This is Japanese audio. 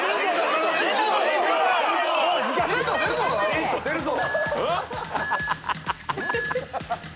ヒント出るぞ！